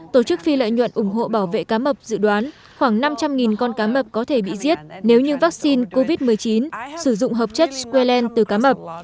tổ chức phi lợi nhuận ủng hộ bảo vệ cá mập dự đoán khoảng năm trăm linh con cá mập có thể bị giết nếu những vaccine covid một mươi chín sử dụng hợp chất squalene từ cá mập